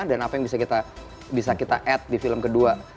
dan apa yang bisa kita bisa kita add di film kedua